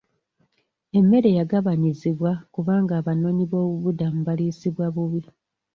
Emmere yagabanyizibwa kubanga abanoonyi b'obubudamu baliisibwa bubi.